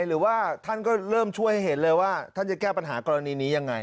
หรือว่าท่านก็เริ่มช่วยให้เห็นเลยว่าท่านจะแก้ปัญหากรณีนี้ยังไง